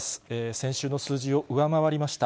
先週の数字を上回りました。